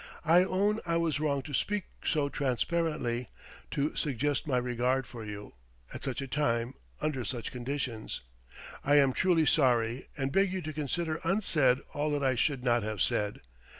I own I was wrong to speak so transparently, to suggest my regard for you, at such a time, under such conditions. I am truly sorry, and beg you to consider unsaid all that I should not have said....